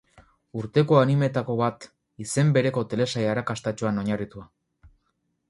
Urteko anime-tako bat, izen bereko telesail arrakastatsuan oinarritua.